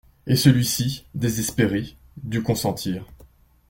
Et celui-ci, désespéré, dut consentir.